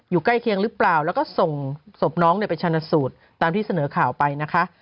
ใกล้เคียงหรือเปล่าแล้วก็ส่งศพน้องไปชนะสูตรตามที่เสนอข่าวไปนะคะ